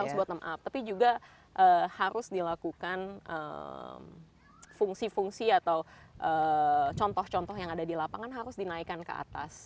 harus bottom up tapi juga harus dilakukan fungsi fungsi atau contoh contoh yang ada di lapangan harus dinaikkan ke atas